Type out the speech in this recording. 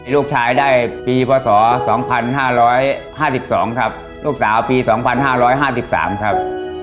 ลูกชายได้ปีพศ๒๕๕๒ครับลูกสาวปี๒๕๕๓ครับ